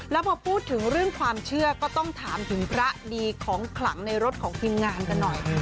แล้วพอพูดถึงเรื่องความเชื่อก็ต้องถามถึงพระดีของขลังในรถของทีมงานกันหน่อย